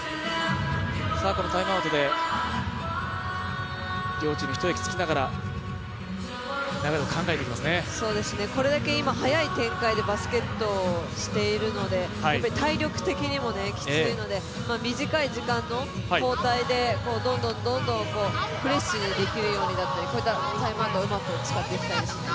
このタイムアウトで両チーム一息つきながらこれだけ早い展開でバスケットをしているので体力的にもきついので短い時間の交代でどんどんどんどんフレッシュにできるようになって、こういったタイムアウトをうまく使っていきたいですね。